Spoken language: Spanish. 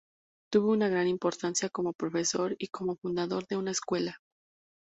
Tuvo una gran importancia como profesor y como fundador de una escuela.